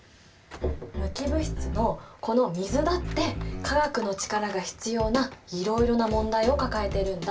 無機物質のこの水だって化学の力が必要ないろいろな問題を抱えているんだ。